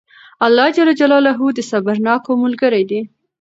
الله جل جلاله د صبرناکو ملګری دئ!